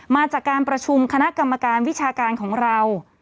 มาจากการประชุมคณะกรรมการวิชาการของเรา